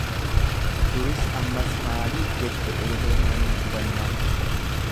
Duris ammas maalii jetti eeleen manni gubannaan.